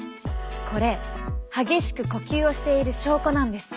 これ激しく呼吸をしている証拠なんです。